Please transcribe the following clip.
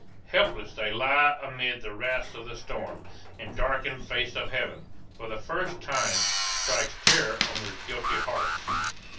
Helpless they lie amid the wrath of the storm, and the darkened face of Heaven, for the first time, strikes terror on their guilty hearts.